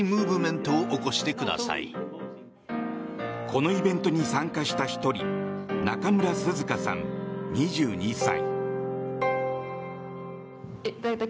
このイベントに参加した１人中村涼香さん、２２歳。